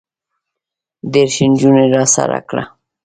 دېرش نجونې راسره کړه.